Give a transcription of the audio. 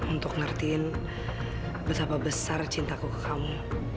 untuk ngertiin betapa besar cintaku ke kamu